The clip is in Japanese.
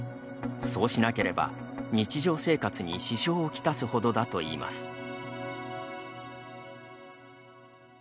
そうしなければ、日常生活に支障を来すほどだといいます。